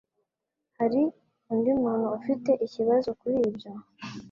Hari undi muntu ufite ikibazo kuri ibyo?